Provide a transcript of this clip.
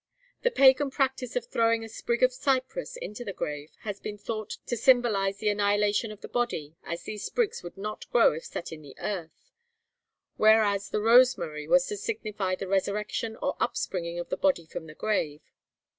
The Pagan practice of throwing a sprig of cypress into the grave has been thought to symbolize the annihilation of the body, as these sprigs would not grow if set in the earth: whereas the rosemary was to signify the resurrection or up springing of the body from the grave.